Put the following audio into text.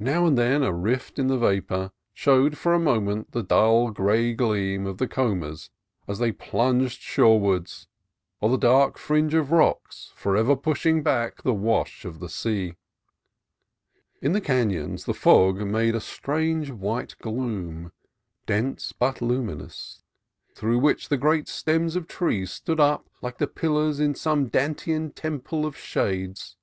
Now and then a rift in the vapor showed for a moment the dull gray gleam of the combers as they plunged shoreward, or the dark fringe of rocks, for ever pushing back the wash of the sea. In the canons the fog made a strange white gloom, dense but luminous, through which great stems of trees stood UNSEEN CHORISTERS 203 up like pillars in some Dantean temple of shades.